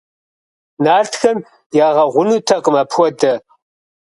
Нартхэм ягъэгъунутэкъым апхуэдэ.